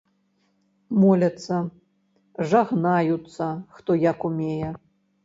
Моляцца, жагнаюцца, хто як умее.